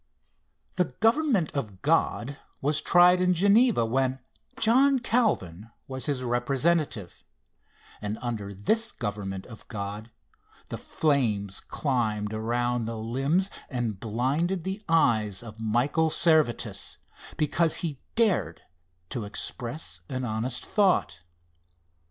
The government of God was tried in Geneva when John Calvin was his representative; and under this government of God the flames climbed around the limbs and blinded the eyes of Michael Servetus, because he dared to express an honest thought.